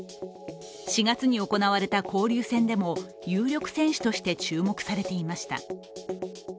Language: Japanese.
４月に行われた交流戦でも有力選手として注目されていました。